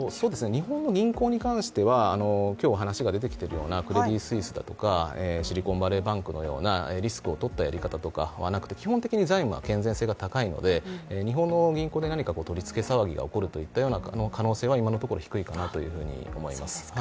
日本の銀行に関しては、クレディ・スイスだとかシリコンバレーバンクのようなリスクをとったやり方というのはなくて、基本的に財務は健全なので日本の銀行で何か取り付け騒ぎが起こるような可能性は今のところ低いかなと思います。